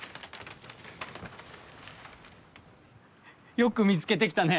よく見つけてきたね！